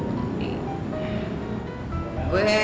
gue udah sempet ngobrol banyak sama dia